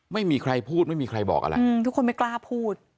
ไม่มีใครพูดไม่มีใครบอกอะไรทุกคนไม่กล้าพูด